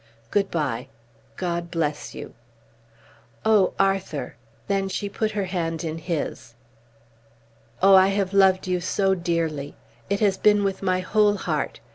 Good bye. God bless you!" "Oh, Arthur!" Then she put her hand in his. "Oh, I have loved you so dearly. It has been with my whole heart.